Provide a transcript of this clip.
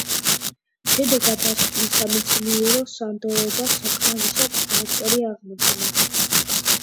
შედეგად, დასკვნის სამეცნიერო სანდოობა საკმარისად არასწორი აღმოჩნდა.